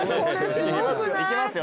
行きますよ